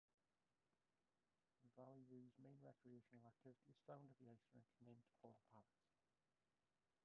Valleyview's main recreational activity is found at the ice rink, named "Polar Palace".